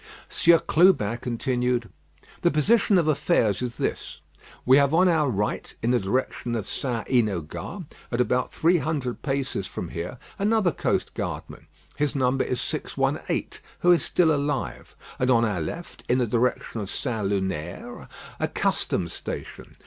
Sieur Clubin continued: "The position of affairs is this: we have on our right, in the direction of St. Enogat, at about three hundred paces from here, another coast guardman his number is 618 who is still alive; and on our left, in the direction of St. Lunaire a customs station.